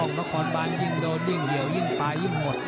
กล้องคอนบ้านยิ่งโดดยิ่งเดี่ยวยิ่งผายยิ่งโหด